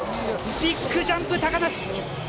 ビッグジャンプ高梨。